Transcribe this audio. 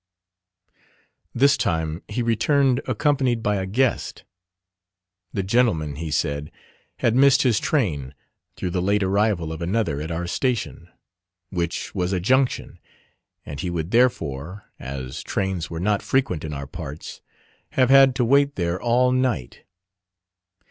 This time he returned accompanied by a guest. The gentleman, he said, had missed his train, through the late arrival of another at our station, which was a junction, and he would therefore, as trains were not frequent in our parts, have had to wait there all night.